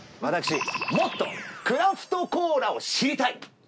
私もっとクラフトコーラを知りたい！